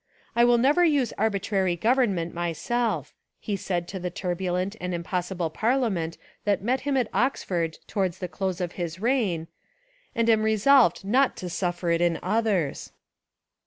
"I will never use arbitrary govern ment myself," he said to the turbulent and impossible parliament that met him at Oxford towards the close of his reign, "and am re solved not to suffer it in others."